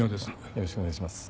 よろしくお願いします。